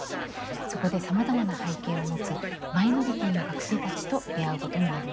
そこでさまざまな背景を持つマイノリティーの学生たちと出会うことになるんですね。